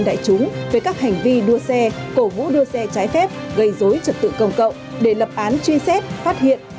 đại chúng về các hành vi đua xe cổ vũ đưa xe trái phép gây rối trật tự cộng cộng để lập án truy xét phát hiện